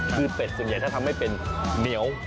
คือเป็ดส่วนใหญ่จะทำให้เป็นเหนียว